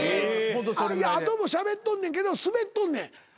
いや後もしゃべっとんねんけどスベっとんねん。